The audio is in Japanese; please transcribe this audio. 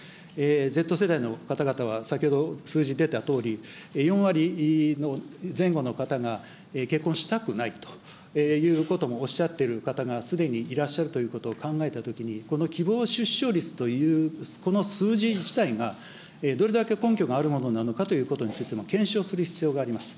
Ｚ世代の方々は先ほど、数字出たとおり、４割の、前後の方が結婚したくないということもおっしゃってる方がすでにいらっしゃるということを考えたときに、この希望出生率というこの数字自体が、どれだけ根拠があるものなのかということについての検証する必要があります。